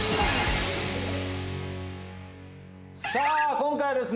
さあ今回はですね